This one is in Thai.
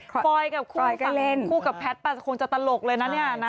โฟย์กับคู่ฝั่งคู่กับแพทย์คงจะตลกเลยนะเนี่ยนะ